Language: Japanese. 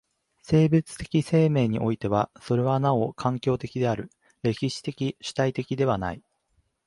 生物的生命においてはそれはなお環境的である、歴史的主体的ではない。